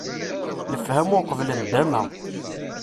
Lefhama uqbel ndama!